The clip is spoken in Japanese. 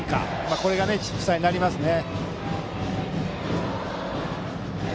これが主体になりますね。